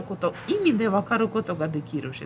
意味で分かることができるし。